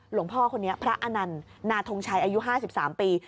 หลวงพ่อคนนี้พระอนันต์นาทงชัยอายุ๕๓ปี